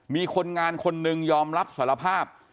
มีคนงานคนนึงยอมรับสารภาพ